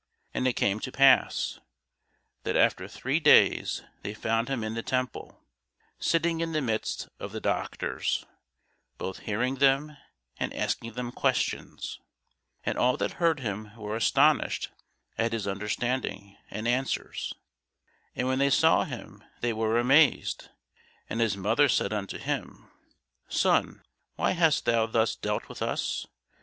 And it came to pass, that after three days they found him in the temple, sitting in the midst of the doctors, both hearing them, and asking them questions. And all that heard him were astonished at his understanding and answers. And when they saw him, they were amazed: and his mother said unto him, Son, why hast thou thus dealt with us?